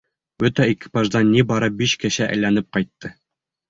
Бөтә экипаждан ни бары биш кеше әйләнеп ҡайтты.